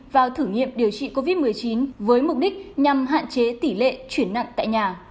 vào thử nghiệm điều trị covid một mươi chín với mục đích nhằm hạn chế tỷ lệ chuyển nặng tại nhà